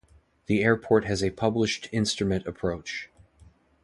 The airport has a published instrument approach.